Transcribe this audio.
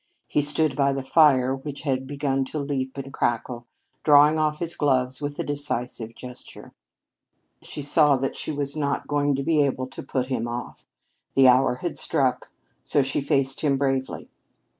He stood by the fire which had begun to leap and crackle, drawing off his gloves with a decisive gesture. She saw that she was not going to be able to put him off. The hour had struck. So she faced him bravely.